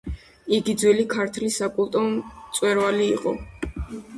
იგი ძველი ქართლის საკულტო მწვერვალი იყო.